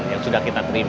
yang sudah kita terima